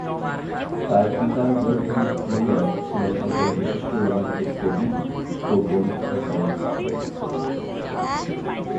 তার পিতা Wilhelm Muller ছিলেন একজন বিশিষ্ট রোমান্টিক কবি ও গ্রন্থাগারিক।